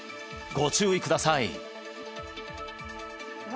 ご注意ください